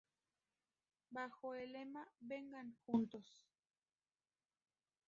Bajo el lema "¡Vengan juntos!